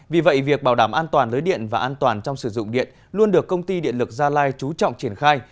vì vậy việc bảo đảm an toàn lưới điện và an toàn trong sử dụng điện luôn được công ty điện lực gia lai trú trọng triển khai